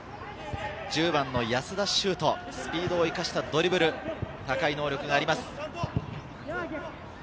國學院久我山１０番の安田修都、スピードを生かしたドリブル、高い能力があります。